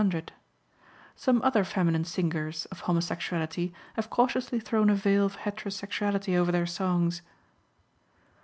Most other feminine singers of homosexuality have cautiously thrown a veil of heterosexuality over their songs.